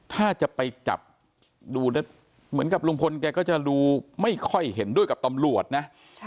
ถ้าจะไปจับดูเหมือนกับลุงพลแกก็จะดูไม่ค่อยเห็นด้วยกับตำรวจนะ